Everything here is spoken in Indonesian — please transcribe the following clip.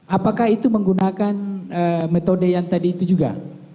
apakah itu menggunakan metode yang tadi itu juga